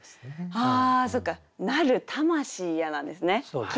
ああそっか「なる魂や」なんですね。